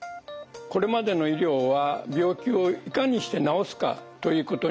これまでの医療は病気をいかにして治すかということに尽力してきました。